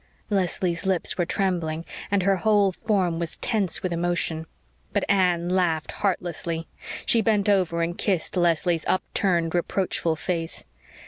Leslie's lips were trembling and her whole form was tense with emotion. But Anne laughed heartlessly. She bent over and kissed Leslie's upturned reproachful face.